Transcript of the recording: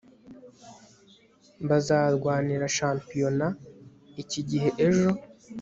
bazarwanira shampiyona iki gihe ejo